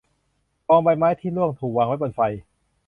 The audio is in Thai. กองใบไม้ที่ร่วงถูกวางไว้บนไฟ